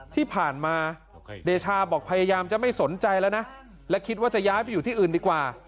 ที่ผ่านมาเดชาบอกพยายามจะไม่สนใจแล้วนะและคิดว่าจะย้ายไปอยู่ที่อื่นดีกว่า